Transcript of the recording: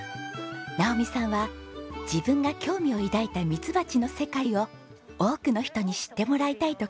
直美さんは自分が興味を抱いたミツバチの世界を多くの人に知ってもらいたいと考えているんです。